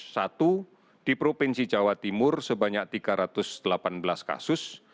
satu di provinsi jawa timur sebanyak tiga ratus delapan belas kasus